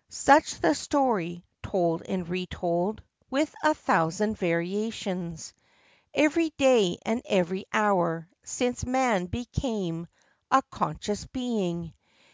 " 40 FACTS AND FANCIES. Such the story, told and re told, With a thousand variations, Every day and every hour since Man became a conscious being.